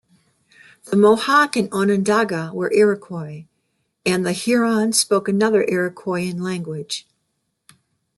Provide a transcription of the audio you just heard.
The Mohawk and Onondaga were Iroquois, and the Huron spoke another Iroquoian language.